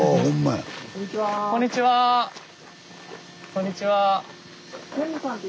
こんにちは。